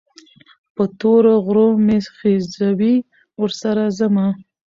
په تورو غرو مې خېژوي، ورسره ځمه